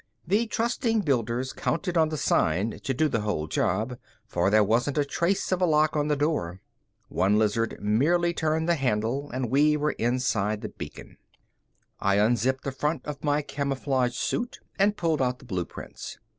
The trusting builders counted on the sign to do the whole job, for there wasn't a trace of a lock on the door. One lizard merely turned the handle and we were inside the beacon. I unzipped the front of my camouflage suit and pulled out the blueprints.